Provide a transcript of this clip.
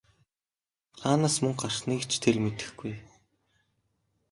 Хаанаас мөнгө гарсныг ч тэр мэдэхгүй!